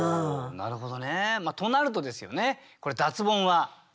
なるほど。